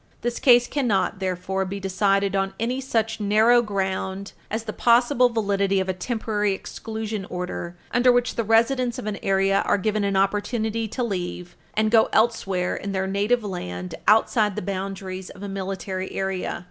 This case cannot, therefore, be decided on any such narrow ground as the possible validity of a Temporary Exclusion Order under which the residents of an area are given an opportunity to leave and go elsewhere in their native land outside the boundaries of a military area.